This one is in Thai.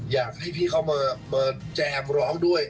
อยากให้พี่เข้ามาแจมร้องด้วย